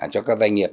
cho các doanh nghiệp